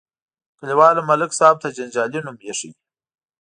کلیوالو ملک صاحب ته جنجالي نوم ایښی.